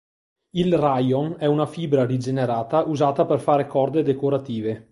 Il Rayon è una fibra rigenerata usata per fare corde decorative.